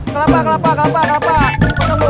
kelapa kelapa kelapa kelapa